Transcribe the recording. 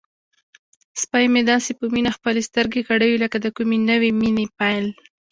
سپی مې داسې په مینه خپلې سترګې غړوي لکه د کومې نوې مینې پیل.